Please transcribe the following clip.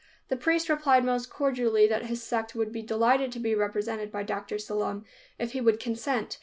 The priest replied most cordially that his sect would be delighted to be represented by Dr. Sallum, if he would consent.